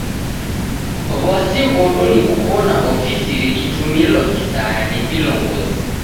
W'asi ghodu ni kuw'ona ofisi rikitumilwa kisaya ni vilongozi.